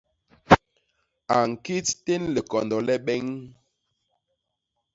A ñkit tén likondo le beñ.